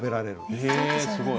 えすごい。